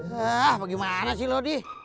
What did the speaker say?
hah bagaimana sih lu di